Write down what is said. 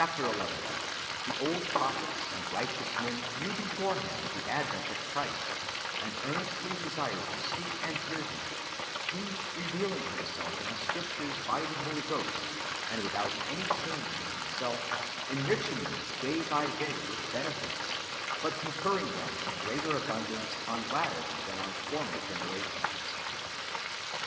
xi. — The old prophets and righteous men knew before hand of the advent of Chinst, and earnestly desired to see and hear Him^ He revealing Himself in the Scriptures hy the Holy Ghost, and without any change in Himself enriching men day by day ivith benefits, but conferring them in greater abundance on later than on former generations.